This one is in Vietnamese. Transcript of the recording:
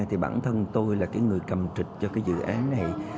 thì bản thân tôi là cái người cầm trịch cho cái dự án này